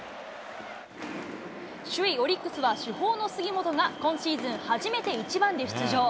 首位オリックスは主砲の杉本が今シーズン初めて１番で出場。